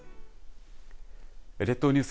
列島ニュース